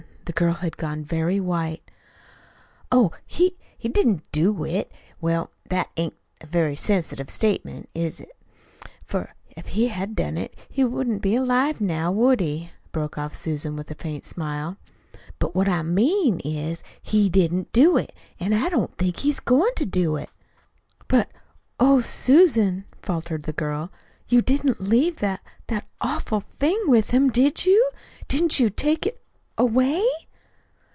The girl had gone very white. "Oh, he didn't do it. Well, that ain't a very sensitive statement, is it? For if he had done it, he wouldn't be alive now, would he?" broke off Susan, with a faint smile. "But what I mean is, he didn't do it, an' I don't think he's goin' to do it." "But, oh, Susan," faltered the girl, "you didn't leave that that awful thing with him, did you? Didn't you take it away?"